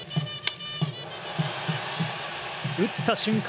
打った瞬間